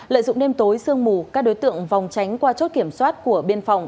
lợi dụng đêm tối sương mù các đối tượng vòng tránh qua chốt kiểm soát của biên phòng